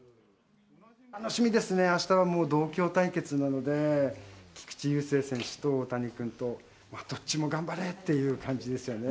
楽しみですね、あしたはもう同郷対決なので、菊池雄星投手と大谷君と、どっちも頑張れっていう感じですよね。